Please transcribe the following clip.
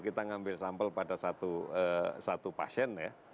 kita ngambil sampel pada satu pasien ya